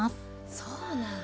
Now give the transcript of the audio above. そうなんだ！